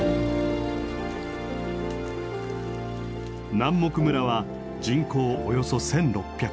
南牧村は人口およそ１，６００。